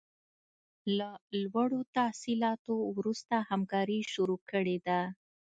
له لوړو تحصیلاتو وروسته همکاري شروع کړې ده.